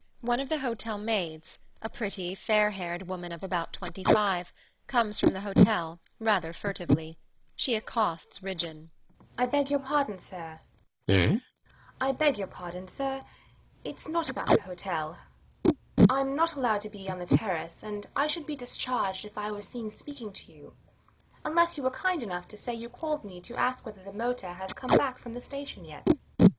One of the hotel maids, a pretty, fair haired woman of about 25, comes from the hotel, rather furtively. She accosts Ridgeon. THE MAID. I beg your pardon, sir RIDGEON. Eh? THE MAID. I beg pardon, sir. It's not about the hotel. I'm not allowed to be on the terrace; and I should be discharged if I were seen speaking to you, unless you were kind enough to say you called me to ask whether the motor has come back from the station yet.